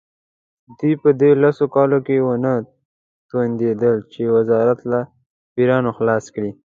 دوی په دې لسو کالو کې ونه توانېدل چې وزارت له پیریانو خلاص کړي.